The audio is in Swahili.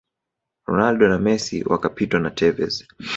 ronaldo na Messi wakapitwa na Tevez